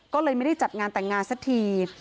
ก็เลยไม่ได้จัดงานแต่งงานสักที